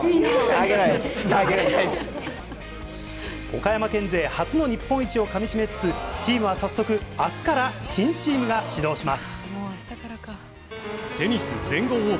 岡山県勢初の日本一をかみしめつつチームは早速、明日から新チームが始動します。